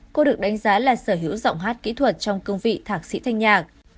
cô được đánh giá là sở hữu giọng hát kỹ thuật trong cương vị thạc sĩ thanh nhà